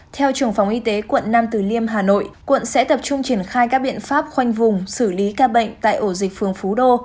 theo trường phòng y tế quận nam từ liêm hà nội quận sẽ tập trung triển khai các biện pháp khoanh vùng xử lý ca bệnh tại ổ dịch phường phú đô